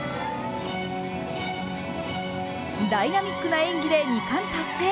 ダイナミックな演技で２冠達成。